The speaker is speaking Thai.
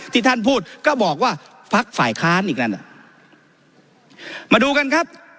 ที่ท่านพูดก็บอกว่าพักฝ่ายค้านอีกนั่นอ่ะมาดูกันครับ